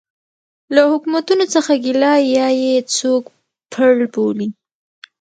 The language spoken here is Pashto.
له حکومتونو څه ګیله یا یې څوک پړ بولي.